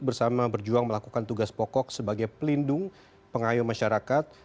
bersama berjuang melakukan tugas pokok sebagai pelindung pengayo masyarakat